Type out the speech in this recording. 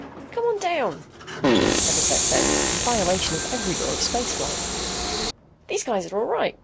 "Come on down," Everset said, in violation of every law of spaceflight. "These guys are all right.